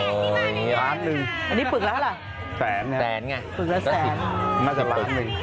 ตัวก็เป็นเงินที่มานี่นี่ปึกละเจ้าหละ